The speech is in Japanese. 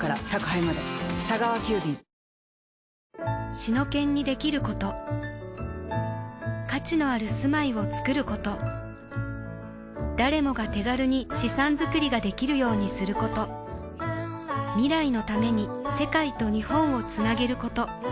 シノケンにできること価値のある住まいをつくること誰もが手軽に資産づくりができるようにすること未来のために世界と日本をつなげること